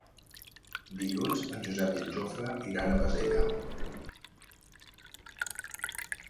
Dilluns en Josep i en Jofre iran a Bassella.